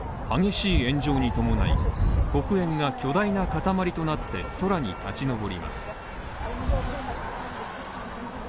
激しい炎上に伴い黒煙が巨大な塊となって空に立ち上ります。